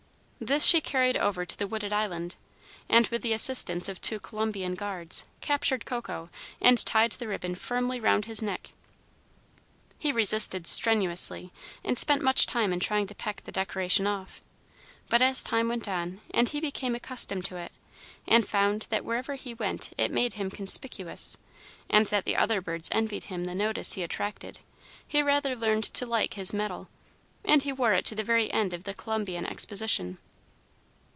This she carried over to the Wooded Island, and, with the assistance of two Columbian guards, captured Coco, and tied the ribbon firmly round his neck. He resisted strenuously, and spent much time in trying to peck the decoration off; but as time went on, and he became accustomed to it, and found that wherever he went it made him conspicuous, and that the other birds envied him the notice he attracted, he rather learned to like his "medal;" and he wore it to the very end of the Columbian Exposition.